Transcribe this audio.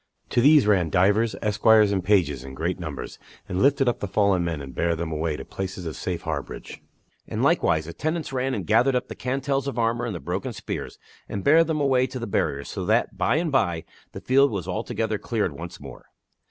To these ran divers esquires and pages in great numbers, and lifted up the fallen men and bare them away to places of safe harborage. And likewise attendants ran and gathered up the cantels of armor and the broken spears, and bare them away to the barriers, so that, by and by, the field was altogether cleared once more.